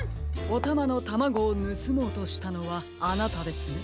おたまのタマゴをぬすもうとしたのはあなたですね。